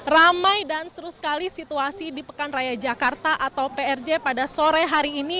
ramai dan seru sekali situasi di pekan raya jakarta atau prj pada sore hari ini